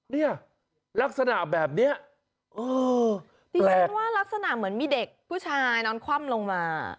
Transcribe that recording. นี่ลักษณะแบบนี้ประมาณว่าเหมือนมีเด็กผู้ชายนำควบลงมา